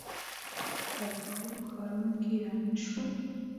پر پښو په ښارنو کې روان شولو.